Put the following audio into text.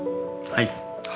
はい。